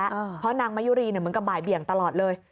เพราะนางมะยุรีเหมือนกับบ่ายเบี่ยงตลอดเลย